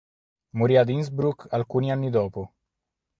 Morì ad Innsbruck alcuni anni dopo.